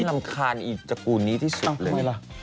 อ๋อมันลำคาญอีดจักรูนนี้ที่๑๐เลยอ้าวมั้ยล่ะ